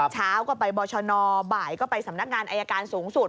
เช้าก็ไปบรชนบ่ายก็ไปสำนักงานอายการสูงสุด